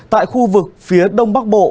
tại khu vực phía đông bắc bộ